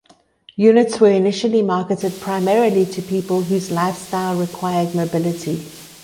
Units were initially marketed primarily to people whose lifestyle required mobility.